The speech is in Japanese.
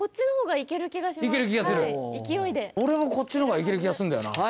俺もこっちの方がいける気がするんだよな。